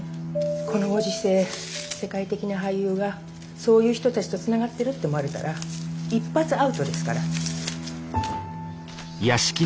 このご時世世界的な俳優がそういう人たちとつながってるって思われたら一発アウトですから。